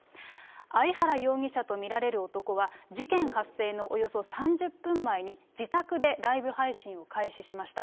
相原容疑者と見られる男は事件発生のおよそ３０分前に、自宅でライブ配信を開始しました。